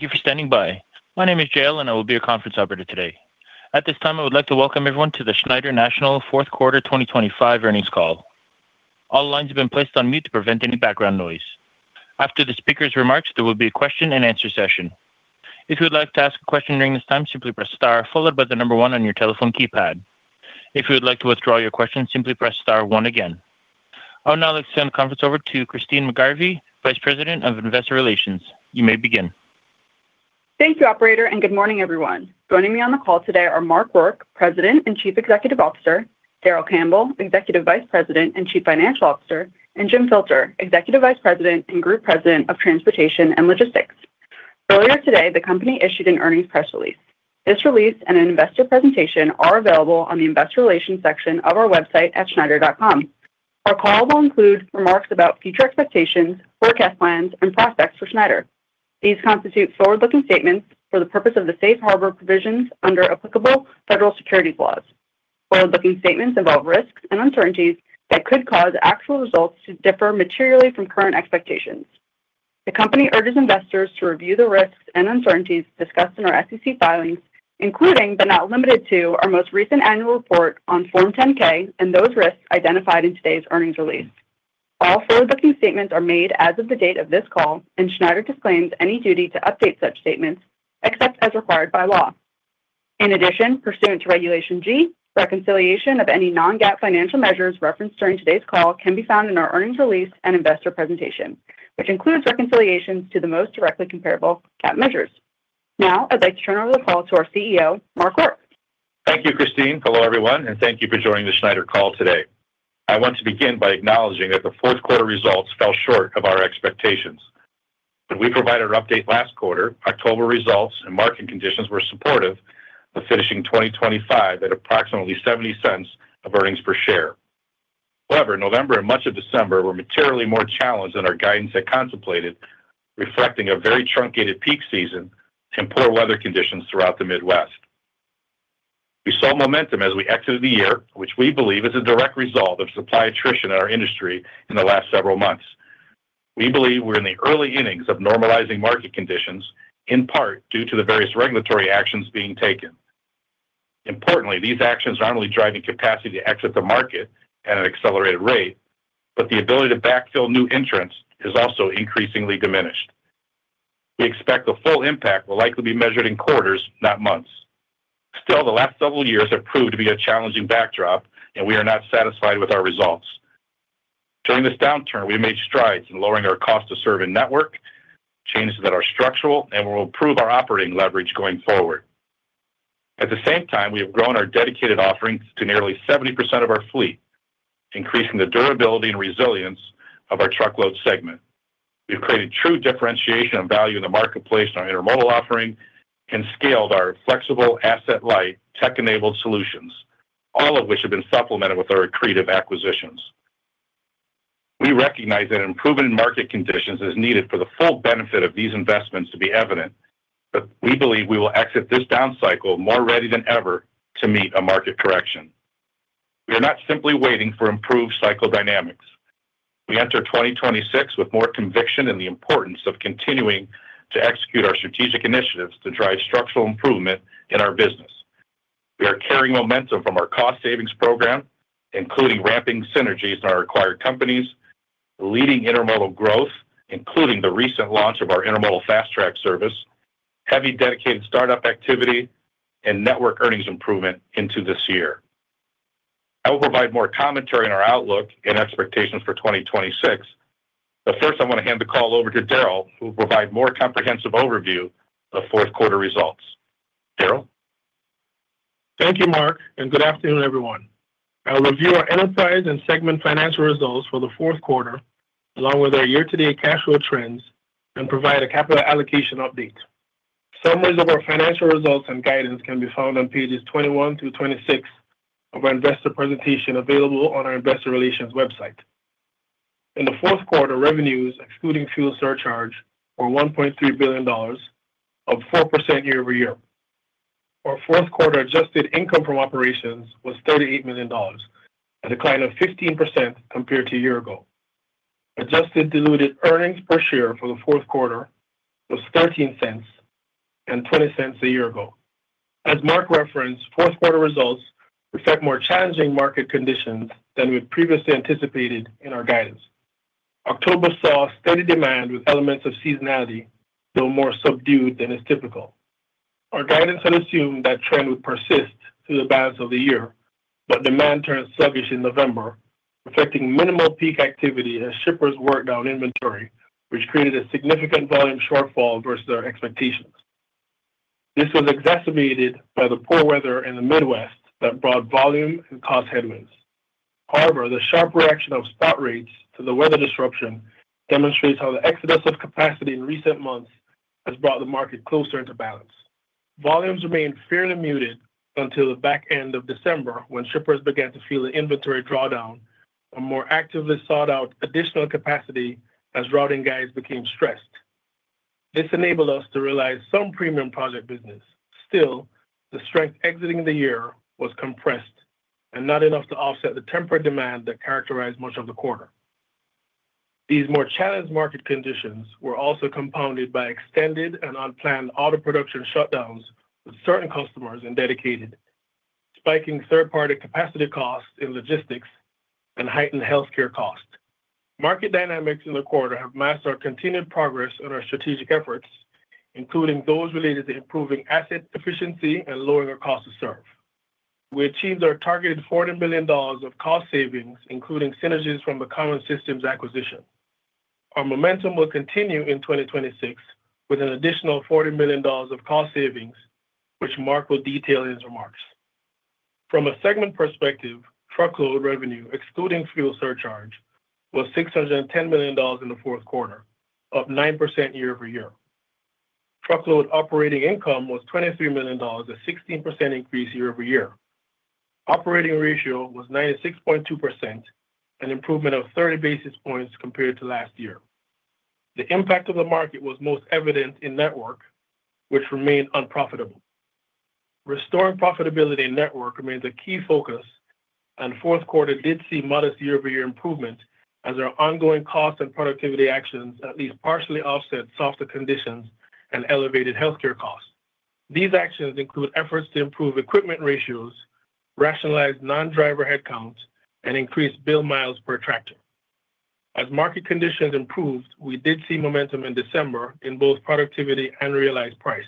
Thank you for standing by. My name is Jale, and I will be your conference operator today. At this time, I would like to welcome everyone to the Schneider National Fourth Quarter 2025 earnings call. All lines have been placed on mute to prevent any background noise. After the speaker's remarks, there will be a question-and-answer session. If you would like to ask a question during this time, simply press star, followed by the number one on your telephone keypad. If you would like to withdraw your question, simply press star one again. I will now extend the conference over to Christyne McGarvey, Vice President of Investor Relations. You may begin. Thank you, Operator, and good morning, everyone. Joining me on the call today are Mark Rourke, President and Chief Executive Officer; Darrell Campbell, Executive Vice President and Chief Financial Officer; and Jim Filter, Executive Vice President and Group President of Transportation and Logistics. Earlier today, the company issued an earnings press release. This release and an investor presentation are available on the Investor Relations section of our website at schneider.com. Our call will include remarks about future expectations, forecast plans, and prospects for Schneider. These constitute forward-looking statements for the purpose of the safe harbor provisions under applicable federal securities laws. Forward-looking statements involve risks and uncertainties that could cause actual results to differ materially from current expectations. The company urges investors to review the risks and uncertainties discussed in our SEC filings, including but not limited to our most recent annual report on Form 10-K and those risks identified in today's earnings release. All forward-looking statements are made as of the date of this call, and Schneider disclaims any duty to update such statements except as required by law. In addition, pursuant to Regulation G, reconciliation of any non-GAAP financial measures referenced during today's call can be found in our earnings release and investor presentation, which includes reconciliations to the most directly comparable GAAP measures. Now, I'd like to turn over the call to our CEO, Mark Rourke. Thank you, Christyne. Hello, everyone, and thank you for joining the Schneider call today. I want to begin by acknowledging that the fourth quarter results fell short of our expectations. When we provided our update last quarter, October results and market conditions were supportive of finishing 2025 at approximately $0.70 of earnings per share. However, November and much of December were materially more challenged than our guidance had contemplated, reflecting a very truncated peak season and poor weather conditions throughout the Midwest. We saw momentum as we exited the year, which we believe is a direct result of supply attrition in our industry in the last several months. We believe we're in the early innings of normalizing market conditions, in part due to the various regulatory actions being taken. Importantly, these actions are not only driving capacity to exit the market at an accelerated rate, but the ability to backfill new entrants is also increasingly diminished. We expect the full impact will likely be measured in quarters, not months. Still, the last several years have proved to be a challenging backdrop, and we are not satisfied with our results. During this downturn, we have made strides in lowering our cost-of-serving network, changes that are structural, and will improve our operating leverage going forward. At the same time, we have grown our Dedicated offering to nearly 70% of our fleet, increasing the durability and resilience of our Truckload segment. We've created true differentiation of value in the marketplace in our Intermodal offering and scaled our flexible, asset-light, tech-enabled solutions, all of which have been supplemented with our accretive acquisitions. We recognize that improvement in market conditions is needed for the full benefit of these investments to be evident, but we believe we will exit this down cycle more ready than ever to meet a market correction. We are not simply waiting for improved cycle dynamics. We enter 2026 with more conviction in the importance of continuing to execute our strategic initiatives to drive structural improvement in our business. We are carrying momentum from our cost savings program, including ramping synergies in our acquired companies, leading Intermodal growth, including the recent launch of our Intermodal Fast Track service, heavy Dedicated startup activity, and Network earnings improvement into this year. I will provide more commentary on our outlook and expectations for 2026, but first, I want to hand the call over to Darrell, who will provide a more comprehensive overview of the fourth quarter results. Darrell. Thank you, Mark, and good afternoon, everyone. I'll review our enterprise and segment financial results for the fourth quarter, along with our year-to-date cash flow trends, and provide a capital allocation update. Summaries of our financial results and guidance can be found on pages 21 through 26 of our investor presentation available on our Investor Relations website. In the fourth quarter, revenues, excluding fuel surcharge, were $1.3 billion, up 4% year-over-year. Our fourth quarter adjusted income from operations was $38 million, a decline of 15% compared to a year ago. Adjusted diluted earnings per share for the fourth quarter was $0.13 and $0.20 a year ago. As Mark referenced, fourth quarter results reflect more challenging market conditions than we previously anticipated in our guidance. October saw steady demand with elements of seasonality, though more subdued than is typical. Our guidance had assumed that trend would persist through the balance of the year, but demand turned sluggish in November, reflecting minimal peak activity as shippers worked on inventory, which created a significant volume shortfall versus our expectations. This was exacerbated by the poor weather in the Midwest that brought volume and caused headwinds. However, the sharp reaction of spot rates to the weather disruption demonstrates how the exodus of capacity in recent months has brought the market closer into balance. Volumes remained fairly muted until the back end of December when shippers began to feel the inventory drawdown and more actively sought out additional capacity as routing guides became stressed. This enabled us to realize some premium project business. Still, the strength exiting the year was compressed and not enough to offset the temporary demand that characterized much of the quarter. These more challenged market conditions were also compounded by extended and unplanned auto production shutdowns with certain customers and Dedicated, spiking third-party capacity costs in logistics and heightened healthcare costs. Market dynamics in the quarter have masked our continued progress in our strategic efforts, including those related to improving asset efficiency and lowering our cost of serve. We achieved our targeted $40 million of cost savings, including synergies from the Cowan Systems acquisition. Our momentum will continue in 2026 with an additional $40 million of cost savings, which Mark will detail in his remarks. From a segment perspective, Truckload revenue, excluding fuel surcharge, was $610 million in the fourth quarter, up 9% year-over-year. Truckload operating income was $23 million, a 16% increase year-over-year. Operating ratio was 96.2%, an improvement of 30 basis points compared to last year. The impact of the market was most evident in Network, which remained unprofitable. Restoring profitability in Network remains a key focus, and fourth quarter did see modest year-over-year improvement as our ongoing cost and productivity actions at least partially offset softer conditions and elevated healthcare costs. These actions include efforts to improve equipment ratios, rationalize non-driver headcount, and increase billed miles per tractor. As market conditions improved, we did see momentum in December in both productivity and realized price.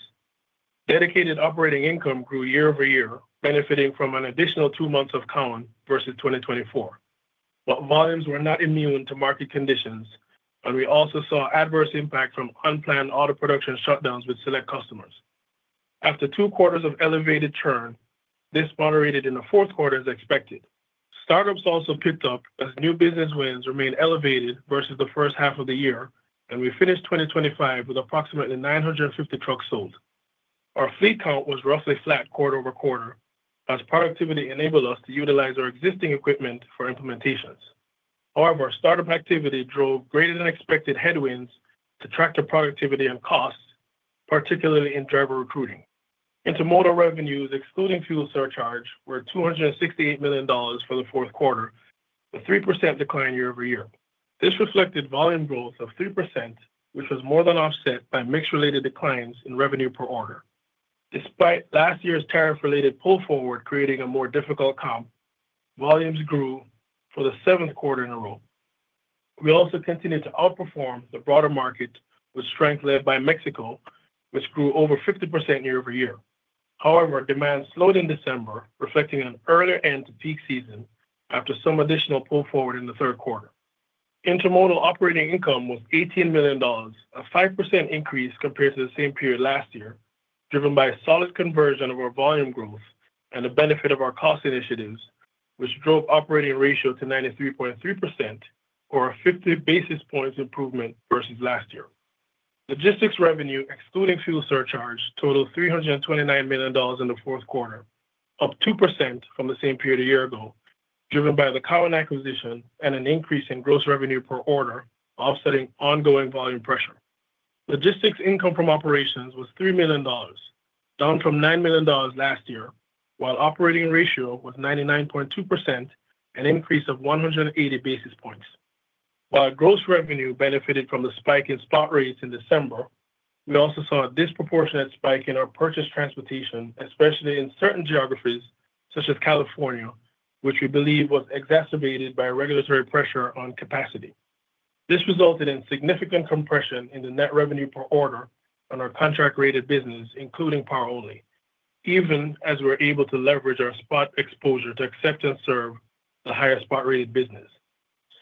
Dedicated operating income grew year-over-year, benefiting from an additional two months of Cowan versus 2024. But volumes were not immune to market conditions, and we also saw adverse impact from unplanned auto production shutdowns with select customers. After two quarters of elevated churn, this moderated in the fourth quarter as expected. Startups also picked up as new business wins remained elevated versus the first half of the year, and we finished 2025 with approximately 950 trucks sold. Our fleet count was roughly flat quarter-over-quarter as productivity enabled us to utilize our existing equipment for implementations. However, startup activity drove greater than expected headwinds to tractor productivity and costs, particularly in driver recruiting. Intermodal revenues, excluding fuel surcharge, were $268 million for the fourth quarter, a 3% decline year-over-year. This reflected volume growth of 3%, which was more than offset by mixed-related declines in revenue per order. Despite last year's tariff-related pull forward creating a more difficult comp, volumes grew for the seventh quarter in a row. We also continued to outperform the broader market with strength led by Mexico, which grew over 50% year-over-year. However, demand slowed in December, reflecting an earlier end to peak season after some additional pull forward in the third quarter. Intermodal operating income was $18 million, a 5% increase compared to the same period last year, driven by a solid conversion of our volume growth and the benefit of our cost initiatives, which drove operating ratio to 93.3%, or a 50 basis points improvement versus last year. Logistics revenue, excluding fuel surcharge, totaled $329 million in the fourth quarter, up 2% from the same period a year ago, driven by the Cowan acquisition and an increase in gross revenue per order offsetting ongoing volume pressure. Logistics income from operations was $3 million, down from $9 million last year, while operating ratio was 99.2%, an increase of 180 basis points. While gross revenue benefited from the spike in spot rates in December, we also saw a disproportionate spike in our purchased transportation, especially in certain geographies such as California, which we believe was exacerbated by regulatory pressure on capacity. This resulted in significant compression in the net revenue per order on our contract-rated business, including Power Only, even as we were able to leverage our spot exposure to accept and serve the higher spot-rated business.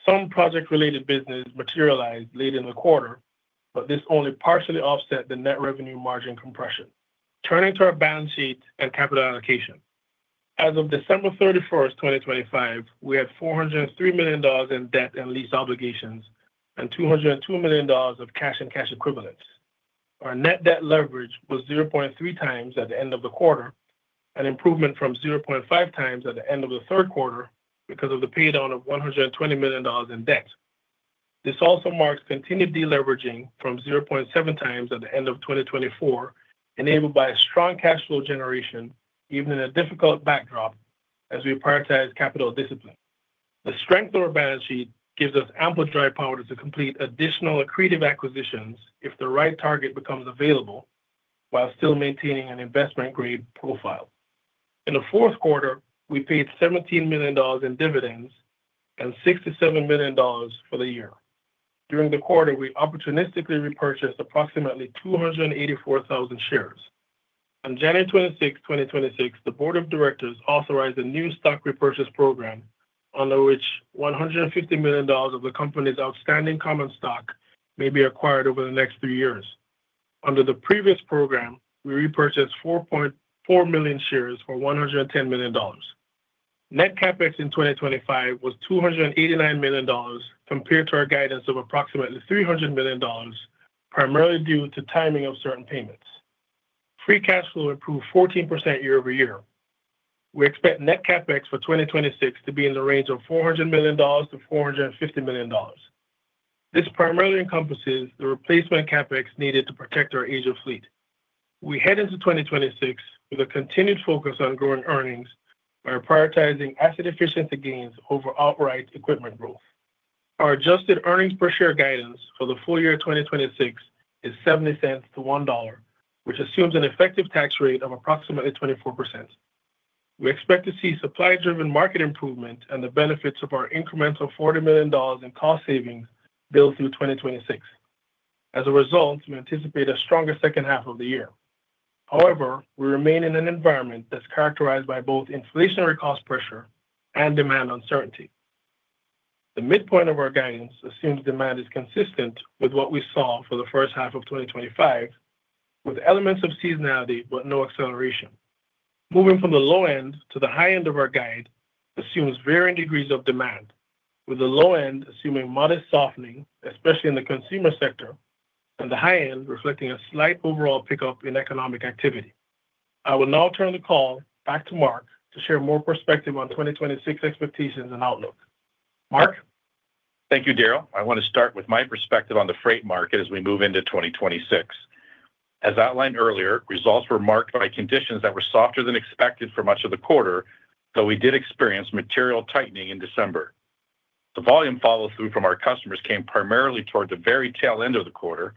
Some project-related business materialized late in the quarter, but this only partially offset the net revenue margin compression. Turning to our balance sheet and capital allocation. As of December 31st, 2025, we had $403 million in debt and lease obligations and $202 million of cash and cash equivalents. Our net debt leverage was 0.3x at the end of the quarter, an improvement from 0.5x at the end of the third quarter because of the paydown of $120 million in debt. This also marks continued deleveraging from 0.7x at the end of 2024, enabled by a strong cash flow generation, even in a difficult backdrop as we prioritize capital discipline. The strength of our balance sheet gives us ample dry powder to complete additional accretive acquisitions if the right target becomes available while still maintaining an investment-grade profile. In the fourth quarter, we paid $17 million in dividends and $67 million for the year. During the quarter, we opportunistically repurchased approximately 284,000 shares. On January 26, 2026, the Board of Directors authorized a new stock repurchase program under which $150 million of the company's outstanding common stock may be acquired over the next three years. Under the previous program, we repurchased 4.4 million shares for $110 million. Net CapEx in 2025 was $289 million compared to our guidance of approximately $300 million, primarily due to timing of certain payments. Free cash flow improved 14% year-over-year. We expect net CapEx for 2026 to be in the range of $400 million-$450 million. This primarily encompasses the replacement CapEx needed to protect our aged fleet. We head into 2026 with a continued focus on growing earnings by prioritizing asset efficiency gains over outright equipment growth. Our adjusted earnings per share guidance for the full year of 2026 is $0.70-$1, which assumes an effective tax rate of approximately 24%. We expect to see supply-driven market improvement and the benefits of our incremental $40 million in cost savings build through 2026. As a result, we anticipate a stronger second half of the year. However, we remain in an environment that's characterized by both inflationary cost pressure and demand uncertainty. The midpoint of our guidance assumes demand is consistent with what we saw for the first half of 2025, with elements of seasonality but no acceleration. Moving from the low end to the high end of our guide assumes varying degrees of demand, with the low end assuming modest softening, especially in the consumer sector, and the high end reflecting a slight overall pickup in economic activity. I will now turn the call back to Mark to share more perspective on 2026 expectations and outlook. Mark. Thank you, Darrell. I want to start with my perspective on the freight market as we move into 2026. As outlined earlier, results were marked by conditions that were softer than expected for much of the quarter, though we did experience material tightening in December. The volume follow-through from our customers came primarily toward the very tail end of the quarter.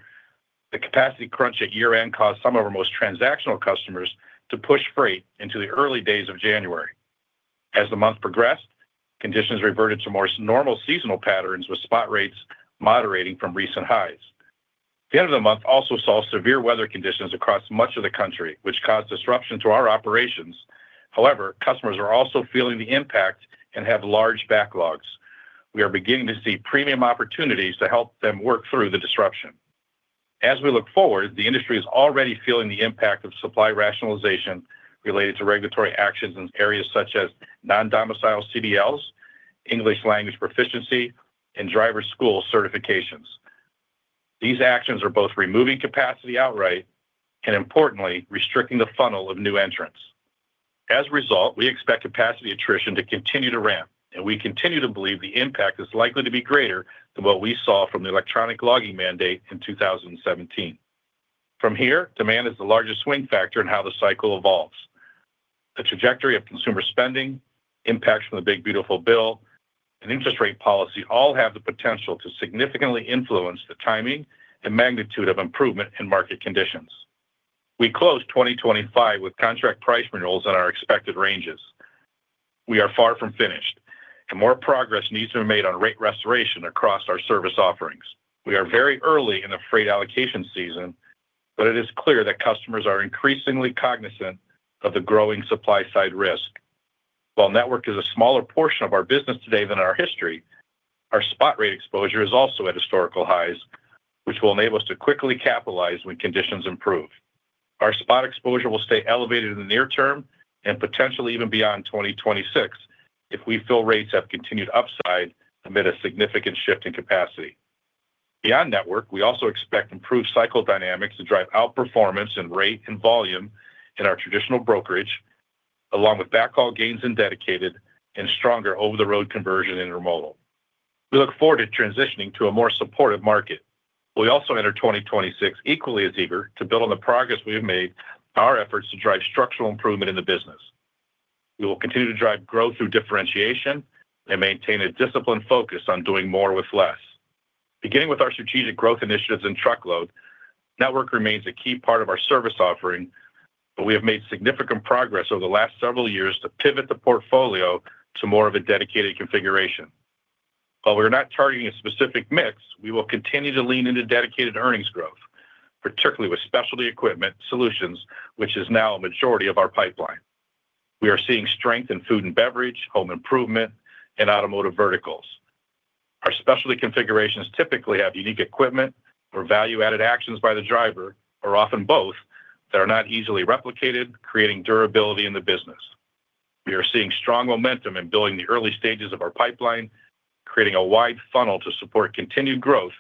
The capacity crunch at year-end caused some of our most transactional customers to push freight into the early days of January. As the month progressed, conditions reverted to more normal seasonal patterns, with spot rates moderating from recent highs. The end of the month also saw severe weather conditions across much of the country, which caused disruption to our operations. However, customers are also feeling the impact and have large backlogs. We are beginning to see premium opportunities to help them work through the disruption. As we look forward, the industry is already feeling the impact of supply rationalization related to regulatory actions in areas such as non-domiciled CDLs, English language proficiency, and driver's school certifications. These actions are both removing capacity outright and, importantly, restricting the funnel of new entrants. As a result, we expect capacity attrition to continue to ramp, and we continue to believe the impact is likely to be greater than what we saw from the electronic logging mandate in 2017. From here, demand is the largest swing factor in how the cycle evolves. The trajectory of consumer spending, impacts from the Big Beautiful Bill, and interest rate policy all have the potential to significantly influence the timing and magnitude of improvement in market conditions. We closed 2025 with contract price renewals in our expected ranges. We are far from finished, and more progress needs to be made on rate restoration across our service offerings. We are very early in the freight allocation season, but it is clear that customers are increasingly cognizant of the growing supply-side risk. While Network is a smaller portion of our business today than in our history, our spot rate exposure is also at historical highs, which will enable us to quickly capitalize when conditions improve. Our spot exposure will stay elevated in the near term and potentially even beyond 2026 if we feel rates have continued upside amid a significant shift in capacity. Beyond Network, we also expect improved cycle dynamics to drive outperformance in rate and volume in our traditional brokerage, along with backhaul gains in Dedicated and stronger over-the-road conversion in Intermodal. We look forward to transitioning to a more supportive market. We also enter 2026 equally as eager to build on the progress we have made in our efforts to drive structural improvement in the business. We will continue to drive growth through differentiation and maintain a disciplined focus on doing more with less. Beginning with our strategic growth initiatives in Truckload, Network remains a key part of our service offering, but we have made significant progress over the last several years to pivot the portfolio to more of a Dedicated configuration. While we are not targeting a specific mix, we will continue to lean into Dedicated earnings growth, particularly with specialty equipment solutions, which is now a majority of our pipeline. We are seeing strength in food and beverage, home improvement, and automotive verticals. Our specialty configurations typically have unique equipment or value-added actions by the driver, or often both, that are not easily replicated, creating durability in the business. We are seeing strong momentum in building the early stages of our pipeline, creating a wide funnel to support continued growth,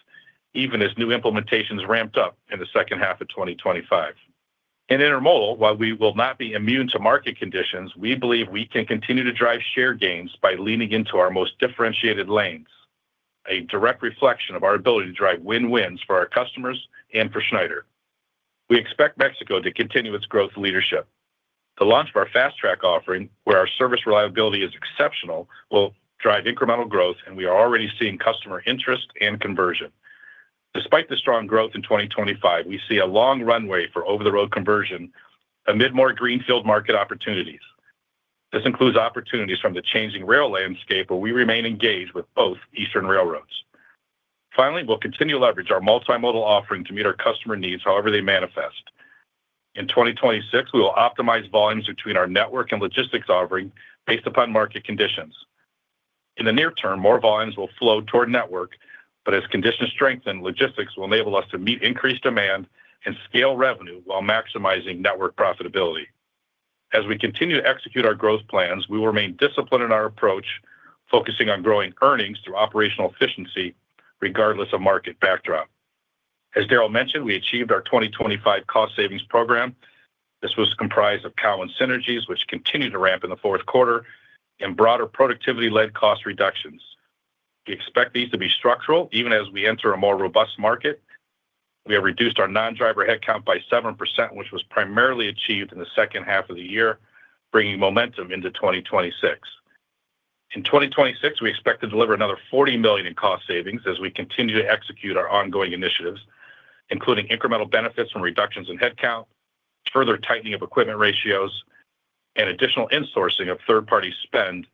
even as new implementations ramp up in the second half of 2025. In Intermodal, while we will not be immune to market conditions, we believe we can continue to drive share gains by leaning into our most differentiated lanes, a direct reflection of our ability to drive win-wins for our customers and for Schneider. We expect Mexico to continue its growth leadership. The launch of our Fast Track offering, where our service reliability is exceptional, will drive incremental growth, and we are already seeing customer interest and conversion. Despite the strong growth in 2025, we see a long runway for over-the-road conversion amid more greenfield market opportunities. This includes opportunities from the changing rail landscape, where we remain engaged with both eastern railroads. Finally, we'll continue to leverage our multimodal offering to meet our customer needs, however they manifest. In 2026, we will optimize volumes between our Network and Logistics offering based upon market conditions. In the near term, more volumes will flow toward Network, but as conditions strengthen, Logistics will enable us to meet increased demand and scale revenue while maximizing Network profitability. As we continue to execute our growth plans, we will remain disciplined in our approach, focusing on growing earnings through operational efficiency, regardless of market backdrop. As Darrell mentioned, we achieved our 2025 cost savings program. This was comprised of Cowan synergies, which continued to ramp in the fourth quarter, and broader productivity-led cost reductions. We expect these to be structural, even as we enter a more robust market We have reduced our non-driver headcount by 7%, which was primarily achieved in the second half of the year, bringing momentum into 2026. In 2026, we expect to deliver another $40 million in cost savings as we continue to execute our ongoing initiatives, including incremental benefits from reductions in headcount, further tightening of equipment ratios, and additional insourcing of third-party spend,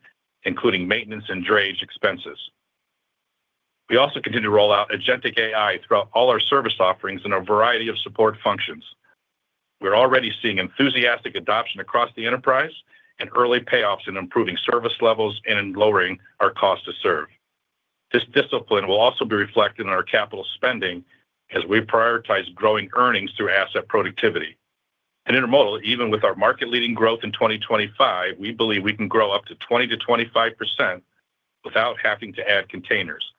including maintenance and drayage expenses. We also continue to roll out agentic AI throughout all our service offerings and a variety of support functions. We're already seeing enthusiastic adoption across the enterprise and early payoffs in improving service levels and in lowering our cost to serve. This discipline will also be reflected in our capital spending as we prioritize growing earnings through asset productivity. In Intermodal, even with our market-leading growth in 2025, we believe we can grow up to 20%-25% without having to add containers.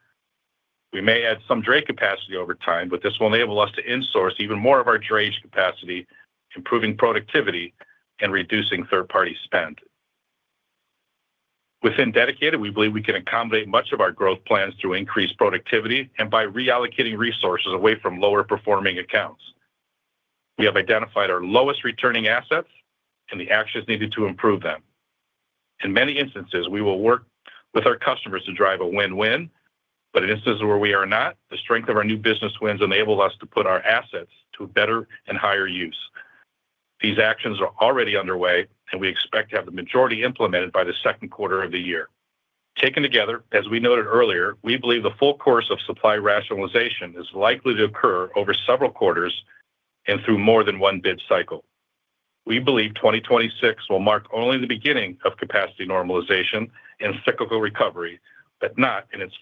We may add some dray capacity over time, but this will enable us to insource even more of our drayage capacity, improving productivity and reducing third-party spend. Within Dedicated, we believe we can accommodate much of our growth plans through increased productivity and by reallocating resources away from lower-performing accounts. We have identified our lowest returning assets and the actions needed to improve them. In many instances, we will work with our customers to drive a win-win, but in instances where we are not, the strength of our new business wins enables us to put our assets to better and higher use. These actions are already underway, and we expect to have the majority implemented by the second quarter of the year. Taken together, as we noted earlier, we believe the full course of supply rationalization is likely to occur over several quarters and through more than one bid cycle. We believe 2026 will mark only the beginning of capacity normalization and cyclical recovery, but not in its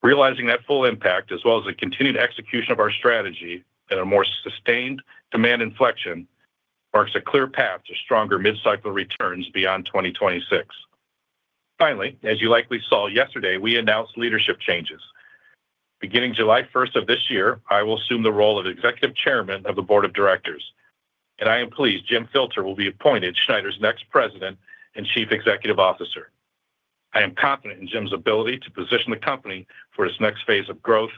full breadth. Realizing that full impact, as well as the continued execution of our strategy and a more sustained demand inflection, marks a clear path to stronger mid-cycle returns beyond 2026. Finally, as you likely saw yesterday, we announced leadership changes. Beginning July 1st of this year, I will assume the role of Executive Chairman of the Board of Directors, and I am pleased Jim Filter will be appointed Schneider's next President and Chief Executive Officer. I am confident in Jim's ability to position the company for its next phase of growth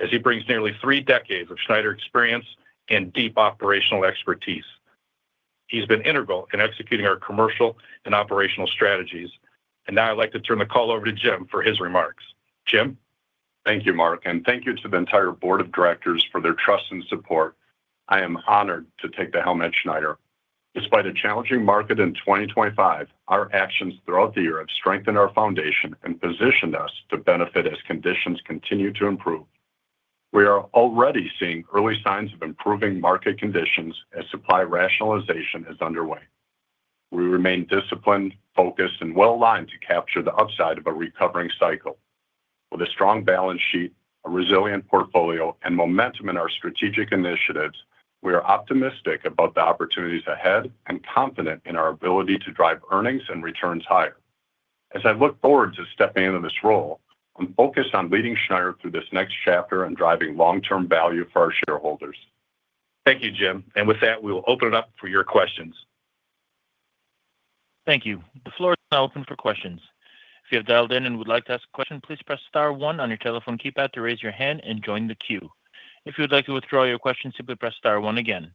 as he brings nearly three decades of Schneider experience and deep operational expertise. He's been integral in executing our commercial and operational strategies, and now I'd like to turn the call over to Jim for his remarks. Jim. Thank you, Mark, and thank you to the entire Board of Directors for their trust and support. I am honored to take the helm at Schneider. Despite a challenging market in 2025, our actions throughout the year have strengthened our foundation and positioned us to benefit as conditions continue to improve. We are already seeing early signs of improving market conditions as supply rationalization is underway. We remain disciplined, focused, and well-aligned to capture the upside of a recovering cycle. With a strong balance sheet, a resilient portfolio, and momentum in our strategic initiatives, we are optimistic about the opportunities ahead and confident in our ability to drive earnings and returns higher. As I look forward to stepping into this role, I'm focused on leading Schneider through this next chapter and driving long-term value for our shareholders. Thank you, Jim. With that, we will open it up for your questions. Thank you. The floor is now open for questions. If you have dialed in and would like to ask a question, please press star one on your telephone keypad to raise your hand and join the queue. If you would like to withdraw your question, simply press star one again.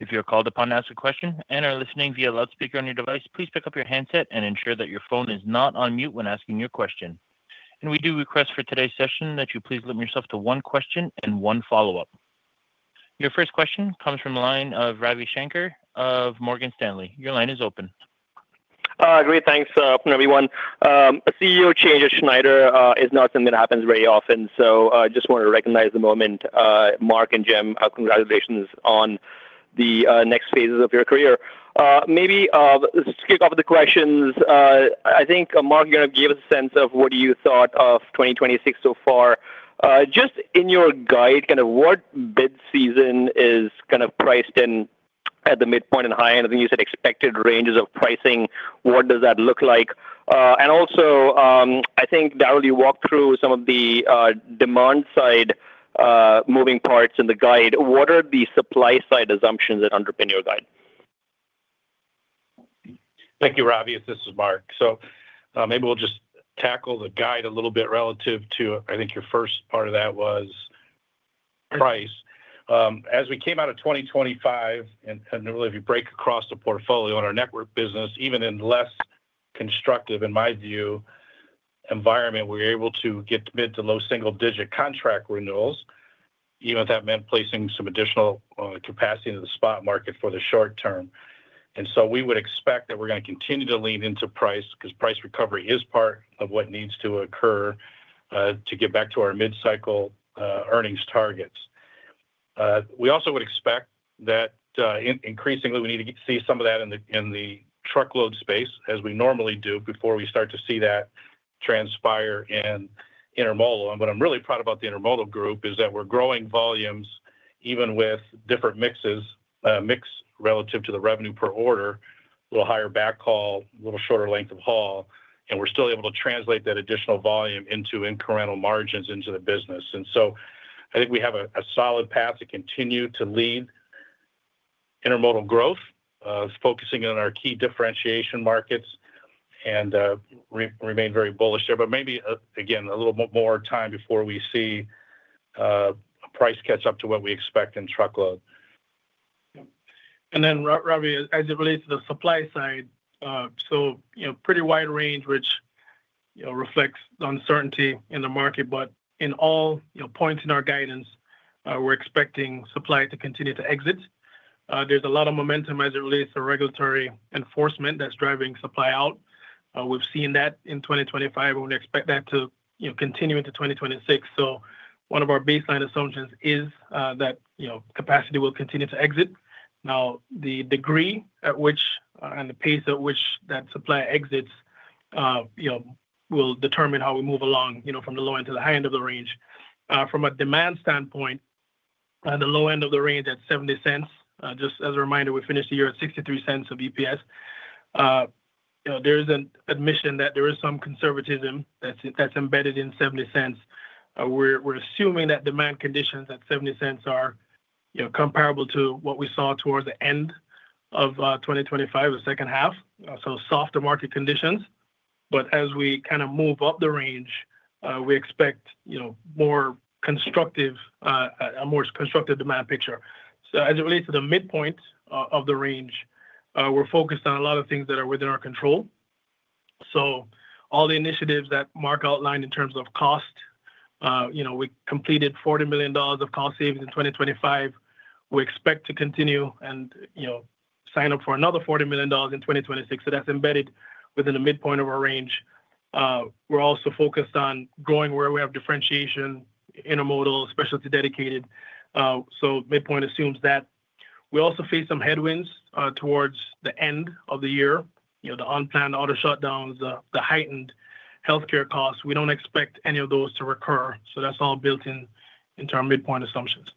If you are called upon to ask a question and are listening via loudspeaker on your device, please pick up your handset and ensure that your phone is not on mute when asking your question. We do request for today's session that you please limit yourself to one question and one follow-up. Your first question comes from the line of Ravi Shanker of Morgan Stanley. Your line is open. Great. Thanks, everyone. A CEO change at Schneider is not something that happens very often, so I just want to recognize the moment. Mark and Jim, congratulations on the next phases of your career. Maybe let's kick off with the questions. I think, Mark, you're going to give us a sense of what you thought of 2026 so far. Just in your guide, kind of what bid season is kind of priced in at the midpoint and high end? I think you said expected ranges of pricing. What does that look like? And also, I think, Darrell, you walked through some of the demand-side moving parts in the guide. What are the supply-side assumptions that underpin your guide? Thank you, Ravi. This is Mark. So maybe we'll just tackle the guide a little bit relative to, I think your first part of that was price. As we came out of 2025, and really, if you break across the portfolio in our Network business, even in less constructive, in my view, environment, we were able to get mid to low single-digit contract renewals, even if that meant placing some additional capacity into the spot market for the short term. And so we would expect that we're going to continue to lean into price because price recovery is part of what needs to occur to get back to our mid-cycle earnings targets. We also would expect that increasingly, we need to see some of that in the Truckload space, as we normally do, before we start to see that transpire in Intermodal. And what I'm really proud about the intermodal group is that we're growing volumes even with different mixes, mixed relative to the revenue per order, a little higher backhaul, a little shorter length of haul, and we're still able to translate that additional volume into incremental margins into the business. And so I think we have a solid path to continue to lead Intermodal growth, focusing on our key differentiation markets, and remain very bullish there. But maybe, again, a little more time before we see a price catch-up to what we expect in Truckload. Then, Ravi, as it relates to the supply side, so pretty wide range, which reflects uncertainty in the market, but in all points in our guidance, we're expecting supply to continue to exit. There's a lot of momentum as it relates to regulatory enforcement that's driving supply out. We've seen that in 2025, and we expect that to continue into 2026. So one of our baseline assumptions is that capacity will continue to exit. Now, the degree at which and the pace at which that supply exits will determine how we move along from the low end to the high end of the range. From a demand standpoint, the low end of the range at $0.70, just as a reminder, we finished the year at $0.63 of EPS. There is an admission that there is some conservatism that's embedded in $0.70. We're assuming that demand conditions at $0.70 are comparable to what we saw towards the end of 2025, the second half, so softer market conditions. But as we kind of move up the range, we expect a more constructive demand picture. So as it relates to the midpoint of the range, we're focused on a lot of things that are within our control. So all the initiatives that Mark outlined in terms of cost, we completed $40 million of cost savings in 2025. We expect to continue and sign up for another $40 million in 2026. So that's embedded within the midpoint of our range. We're also focused on growing where we have differentiation, Intermodal, specialty Dedicated. So midpoint assumes that. We also face some headwinds towards the end of the year, the unplanned auto shutdowns, the heightened healthcare costs. We don't expect any of those to recur. So that's all built into our midpoint assumptions.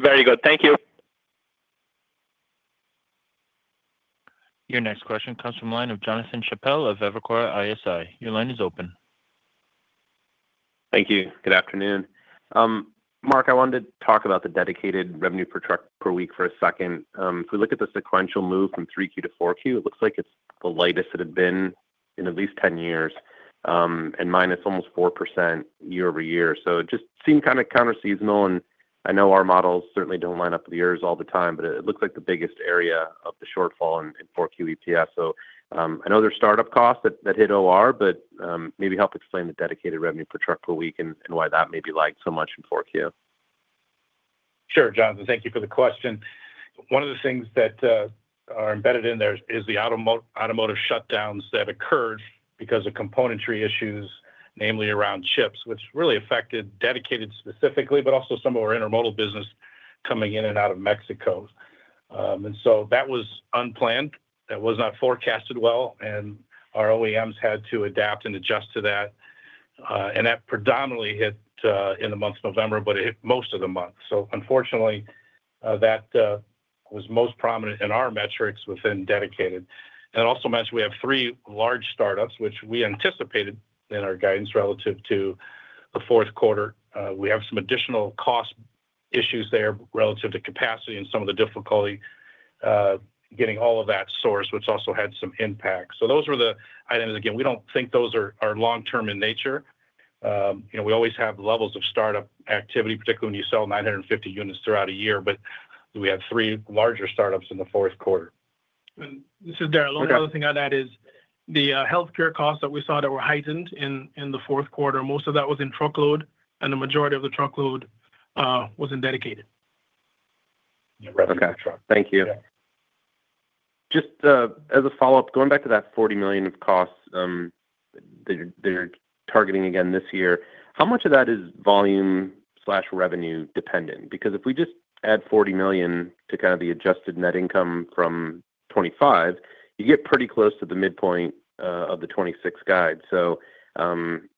Very good. Thank you. Your next question comes from the line of Jonathan Chappell of Evercore ISI. Your line is open. Thank you. Good afternoon. Mark, I wanted to talk about the Dedicated revenue per truck per week for a second. If we look at the sequential move from 3Q to 4Q, it looks like it's the lightest it had been in at least 10 years and minus almost 4% year-over-year. So it just seemed kind of counter-seasonal. And I know our models certainly don't line up with yours all the time, but it looks like the biggest area of the shortfall in 4Q EPS. So I know there's startup costs that hit OR, but maybe help explain the Dedicated revenue per truck per week and why that may be lagged so much in 4Q. Sure, Jonathan. Thank you for the question. One of the things that are embedded in there is the automotive shutdowns that occurred because of componentry issues, namely around chips, which really affected Dedicated specifically, but also some of our Intermodal business coming in and out of Mexico. And so that was unplanned. That was not forecasted well, and our OEMs had to adapt and adjust to that. And that predominantly hit in the month of November, but it hit most of the month. So unfortunately, that was most prominent in our metrics within Dedicated. And it also meant we have three large startups, which we anticipated in our guidance relative to the fourth quarter. We have some additional cost issues there relative to capacity and some of the difficulty getting all of that sourced, which also had some impact. So those were the items. Again, we don't think those are long-term in nature. We always have levels of startup activity, particularly when you sell 950 units throughout a year, but we had three larger startups in the fourth quarter. This is Darrell. The only other thing I'd add is the healthcare costs that we saw that were heightened in the fourth quarter. Most of that was in Truckload, and the majority of the Truckload was in Dedicated. Thank you. Just as a follow-up, going back to that $40 million of costs they're targeting again this year, how much of that is volume/revenue dependent? Because if we just add $40 million to kind of the adjusted net income from 2025, you get pretty close to the midpoint of the 2026 guide. So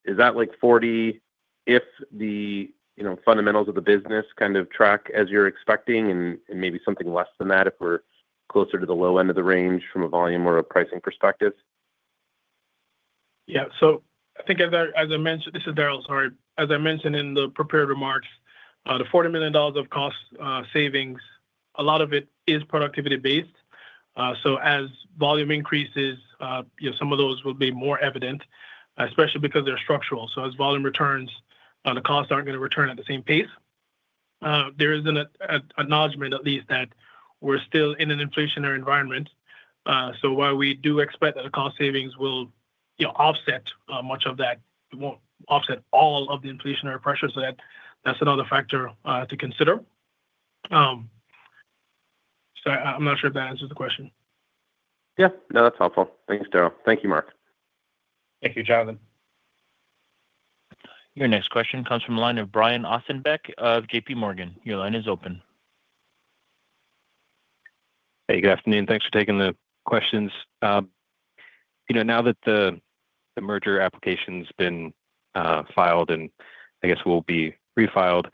is that like $40 million if the fundamentals of the business kind of track as you're expecting and maybe something less than that if we're closer to the low end of the range from a volume or a pricing perspective? Yeah. So I think, as I mentioned, this is Darrell, sorry, as I mentioned in the prepared remarks, the $40 million of cost savings, a lot of it is productivity-based. So as volume increases, some of those will be more evident, especially because they're structural. So as volume returns, the costs aren't going to return at the same pace. There is an acknowledgment, at least, that we're still in an inflationary environment. So while we do expect that the cost savings will offset much of that, it won't offset all of the inflationary pressure, so that's another factor to consider. So I'm not sure if that answers the question. Yeah. No, that's helpful. Thanks, Darrell. Thank you, Mark. Thank you, Jonathan. Your next question comes from the line of Brian Ossenbeck of JPMorgan. Your line is open. Hey, good afternoon. Thanks for taking the questions. Now that the merger application has been filed and I guess will be refiled, I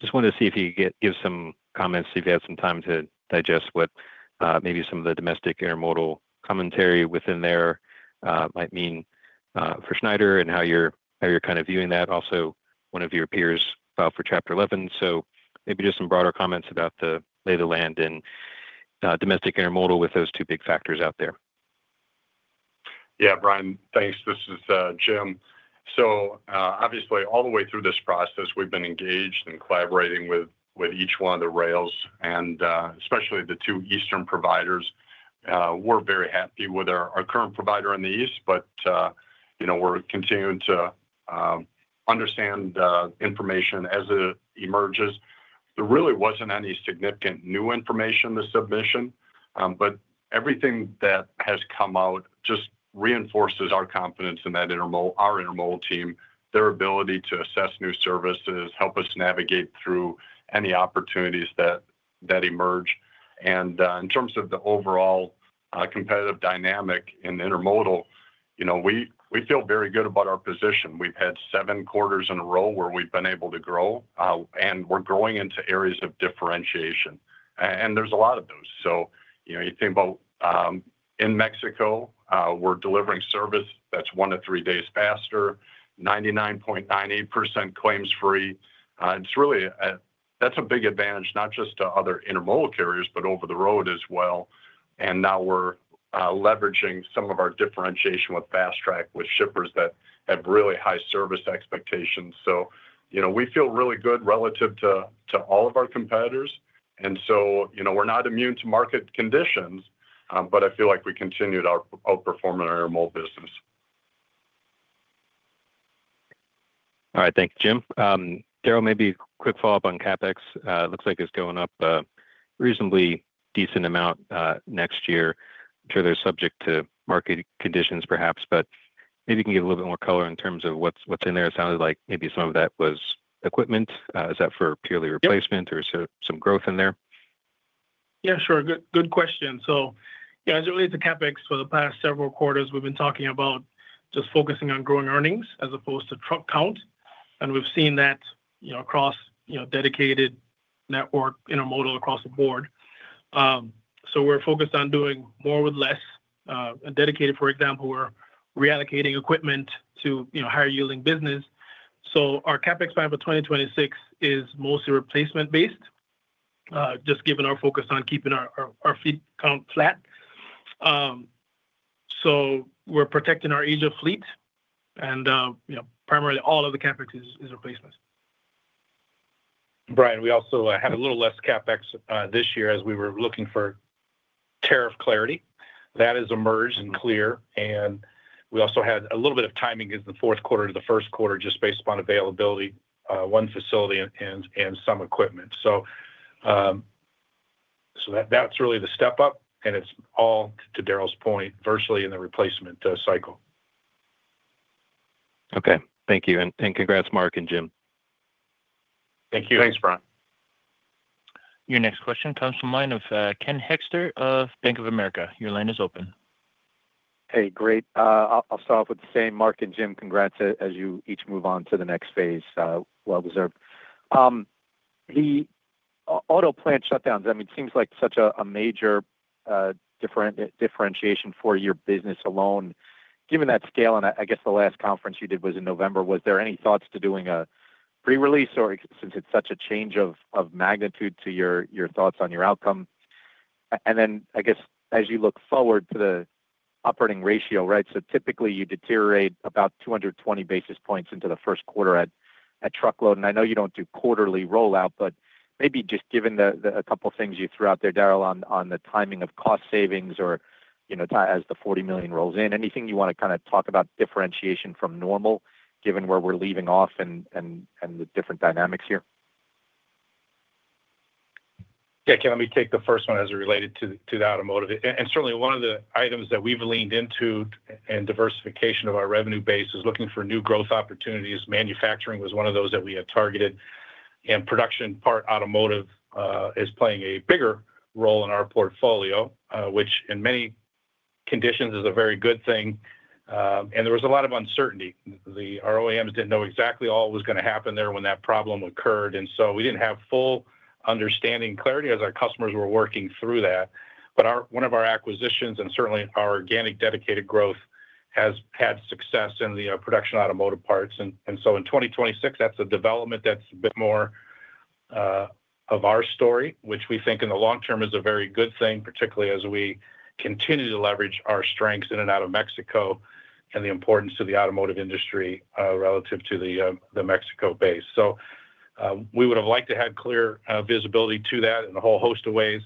just wanted to see if you could give some comments, see if you had some time to digest what maybe some of the domestic intermodal commentary within there might mean for Schneider and how you're kind of viewing that. Also, one of your peers filed for Chapter 11. So maybe just some broader comments about the lay of the land in domestic intermodal with those two big factors out there. Yeah, Brian, thanks. This is Jim. So obviously, all the way through this process, we've been engaged and collaborating with each one of the rails, and especially the two eastern providers. We're very happy with our current provider in the east, but we're continuing to understand the information as it emerges. There really wasn't any significant new information in the submission, but everything that has come out just reinforces our confidence in our Intermodal team, their ability to assess new services, help us navigate through any opportunities that emerge. And in terms of the overall competitive dynamic in Intermodal, we feel very good about our position. We've had seven quarters in a row where we've been able to grow, and we're growing into areas of differentiation. And there's a lot of those. So you think about in Mexico, we're delivering service that's one to three days faster, 99.98% claims-free. That's a big advantage, not just to other intermodal carriers, but over the road as well. And now we're leveraging some of our differentiation with Fast Track with shippers that have really high service expectations. So we feel really good relative to all of our competitors. And so we're not immune to market conditions, but I feel like we continued our outperforming our Intermodal business. All right. Thank you, Jim. Darrell, maybe a quick follow-up on CapEx. It looks like it's going up a reasonably decent amount next year. I'm sure they're subject to market conditions, perhaps, but maybe you can give a little bit more color in terms of what's in there. It sounded like maybe some of that was equipment. Is that for purely replacement, or is there some growth in there? Yeah, sure. Good question. So as it relates to CapEx, for the past several quarters, we've been talking about just focusing on growing earnings as opposed to truck count. And we've seen that across Dedicated, Network, Intermodal across the board. So we're focused on doing more with less. And Dedicated, for example, we're reallocating equipment to higher-yielding business. So our CapEx plan for 2026 is mostly replacement-based, just given our focus on keeping our fleet count flat. So we're protecting our aged-up fleet, and primarily all of the CapEx is replacement. Brian, we also had a little less CapEx this year as we were looking for tariff clarity. That has emerged and cleared. We also had a little bit of timing in the fourth quarter to the first quarter just based upon availability, one facility and some equipment. That's really the step up, and it's all, to Darrell's point, virtually in the replacement cycle. Okay. Thank you. And congrats, Mark and Jim. Thank you. Thanks, Brian. Your next question comes from the line of Ken Hoexter of Bank of America. Your line is open. Hey, great. I'll start off with the same. Mark and Jim, congrats as you each move on to the next phase. Well-deserved. The auto plant shutdowns, I mean, it seems like such a major differentiation for your business alone. Given that scale, and I guess the last conference you did was in November, was there any thoughts to doing a pre-release since it's such a change of magnitude to your thoughts on your outcome? And then I guess as you look forward to the operating ratio, right, so typically you deteriorate about 220 basis points into the first quarter at Truckload. I know you don't do quarterly rollout, but maybe just given a couple of things you threw out there, Darrell, on the timing of cost savings or as the $40 million rolls in, anything you want to kind of talk about differentiation from normal given where we're leaving off and the different dynamics here? Yeah, can I take the first one as it related to the automotive? Certainly, one of the items that we've leaned into in diversification of our revenue base is looking for new growth opportunities. Manufacturing was one of those that we had targeted. Production part automotive is playing a bigger role in our portfolio, which in many conditions is a very good thing. There was a lot of uncertainty. Our OEMs didn't know exactly all was going to happen there when that problem occurred. So we didn't have full understanding clarity as our customers were working through that. But one of our acquisitions and certainly our organic Dedicated growth has had success in the production automotive parts. And so in 2026, that's a development that's a bit more of our story, which we think in the long term is a very good thing, particularly as we continue to leverage our strengths in and out of Mexico and the importance to the automotive industry relative to the Mexico base. So we would have liked to have clear visibility to that in a whole host of ways,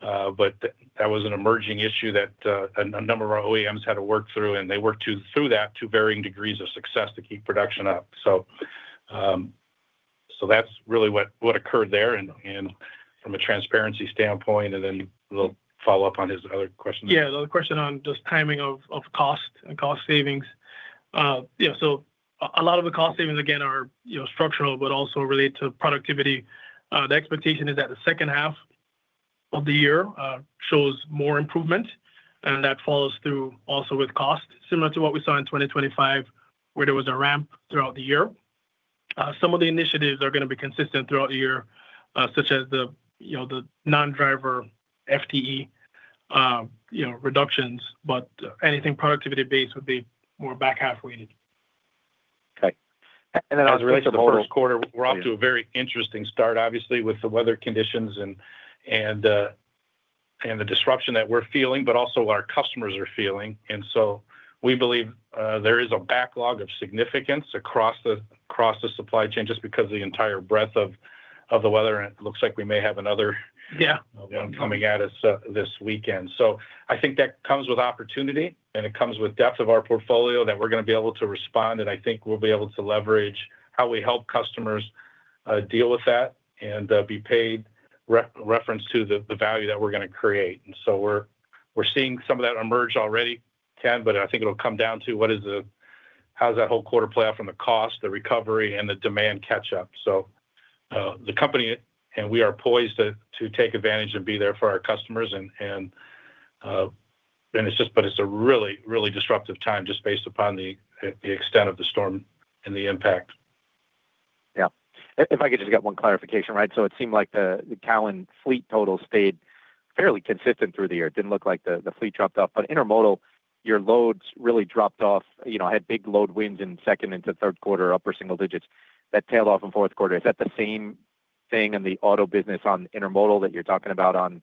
but that was an emerging issue that a number of our OEMs had to work through, and they worked through that to varying degrees of success to keep production up. So that's really what occurred there from a transparency standpoint. And then we'll follow up on his other questions. Yeah, another question on just timing of cost and cost savings. So a lot of the cost savings, again, are structural, but also related to productivity. The expectation is that the second half of the year shows more improvement, and that follows through also with cost, similar to what we saw in 2025, where there was a ramp throughout the year. Some of the initiatives are going to be consistent throughout the year, such as the non-driver FTE reductions, but anything productivity-based would be more back half weighted. Okay. Then as it relates to the first quarter, we're off to a very interesting start, obviously, with the weather conditions and the disruption that we're feeling, but also our customers are feeling. So we believe there is a backlog of significance across the supply chain just because of the entire breadth of the weather. It looks like we may have another one coming at us this weekend. I think that comes with opportunity, and it comes with depth of our portfolio that we're going to be able to respond. I think we'll be able to leverage how we help customers deal with that and be a reference to the value that we're going to create. We're seeing some of that emerge already, Ken, but I think it'll come down to how does that whole quarter play out from the cost, the recovery, and the demand catch-up. The company and we are poised to take advantage and be there for our customers. It's just, but it's a really, really disruptive time just based upon the extent of the storm and the impact. Yeah. If I could just get one clarification, right? So it seemed like the Cowan fleet total stayed fairly consistent through the year. It didn't look like the fleet dropped off. But Intermodal, your loads really dropped off, had big load wins in second into third quarter, upper single digits. That tailed off in fourth quarter. Is that the same thing in the auto business on Intermodal that you're talking about on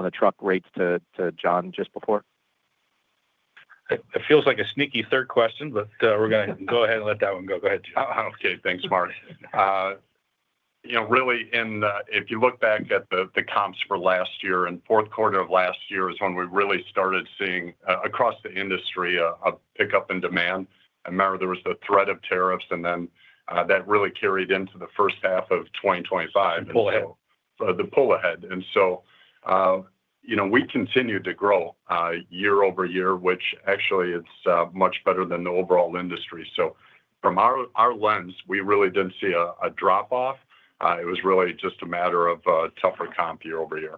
the truck rates to John just before? It feels like a sneaky third question, but we're going to go ahead and let that one go. Go ahead, Jim. Okay. Thanks, Mark. Really, if you look back at the comps for last year, in fourth quarter of last year is when we really started seeing across the industry a pickup in demand. I remember there was the threat of tariffs, and then that really carried into the first half of 2025. Pull ahead. The pull ahead. And so we continued to grow year-over-year, which actually it's much better than the overall industry. So from our lens, we really didn't see a drop-off. It was really just a matter of tougher comp year-over-year.